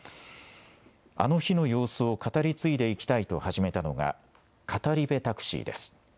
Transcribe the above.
あの日の様子を語り継いでいきたいと始めたのが語り部タクシーです。